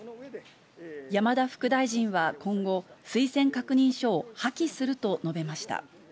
山田副大臣は今後、推薦確認書を破棄すると述べました。